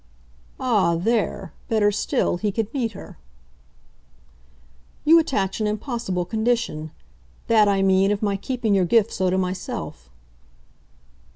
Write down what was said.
Ah, THERE, better still, he could meet her. "You attach an impossible condition. That, I mean, of my keeping your gift so to myself."